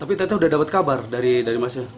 tapi teta udah dapat kabar dari masnya